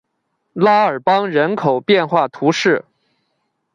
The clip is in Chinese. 拉尔邦人口变化图示